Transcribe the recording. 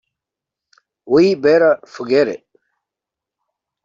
We'd better forget it.